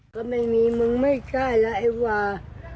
ก็ไม่มีมึงไม่ใช่แล้วไอ้วา